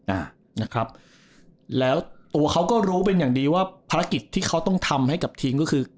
อ่านะครับแล้วตัวเขาก็รู้เป็นอย่างดีว่าภารกิจที่เขาต้องทำให้กับทีมก็คือ